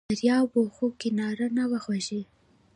دریاب و خو کناره نه وه خوږې!